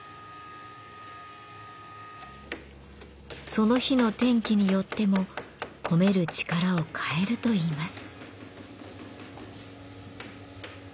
その日の天気によっても込める力を変えるといいます。